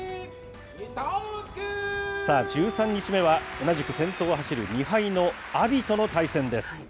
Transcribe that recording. さあ、１３日目は、同じく先頭を走る２敗の阿炎との対戦です。